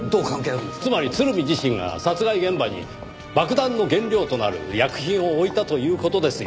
つまり鶴見自身が殺害現場に爆弾の原料となる薬品を置いたという事ですよ。